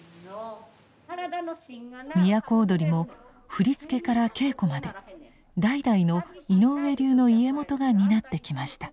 都をどりも振り付けから稽古まで代々の井上流の家元が担ってきました。